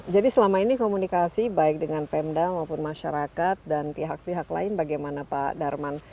jadi selama ini komunikasi baik dengan pemda maupun masyarakat dan pihak pihak lain bagaimana pak darman